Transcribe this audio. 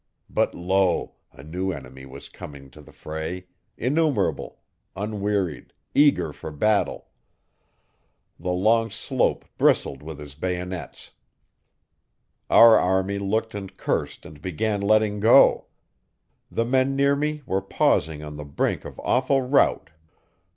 But lo! a new enemy was coming to the fray, innumerable, unwearied, eager for battle. The long slope bristled with his bayonets. Our army looked and cursed and began letting go. The men near me were pausing on the brink of awful rout.